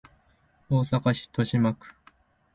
大阪市都島区